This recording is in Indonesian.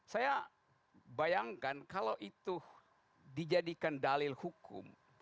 saya bayangkan kalau itu dijadikan dalil hukum